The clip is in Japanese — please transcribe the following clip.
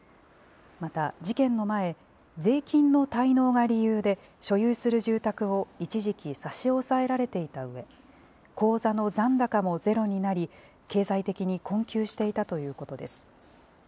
また、事件の前、税金の滞納が理由で所有する住宅を一時期、差し押さえられていたうえ、口座の残高もゼロになり、経済的に困窮していたということです。